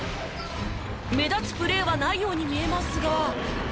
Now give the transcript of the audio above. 目立つプレーはないように見えますが。